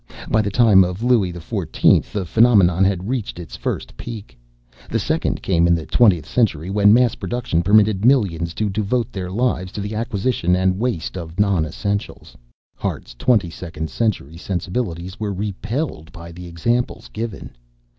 By the time of Louis XIV the phenomenon had reached its first peak. The second came in the twentieth century when mass production permitted millions to devote their lives to the acquisition and waste of non essentials. Hart's twenty second century sensibilities were repelled by the examples given.